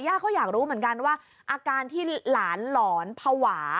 ก็อยากรู้เหมือนกันว่าอาการที่หลานหลอนภาวะ